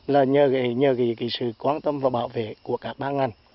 là nhờ sự quan tâm và bảo vệ của các bác ngân